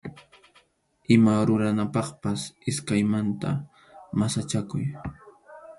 Ima ruranapaqpas iskaymanta masachakuy.